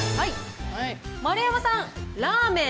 丸山さん、ラーメン。